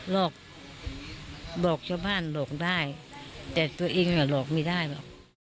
หลอกหลอกชาวบ้านหลอกได้แต่ตัวเองหลอกไม่ได้หรอก